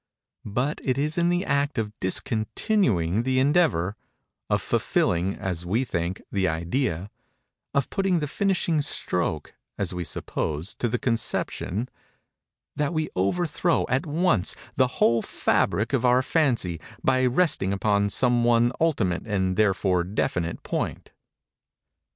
But it is in the act of discontinuing the endeavor—of fulfilling (as we think) the idea—of putting the finishing stroke (as we suppose) to the conception—that we overthrow at once the whole fabric of our fancy by resting upon some one ultimate and therefore definite point.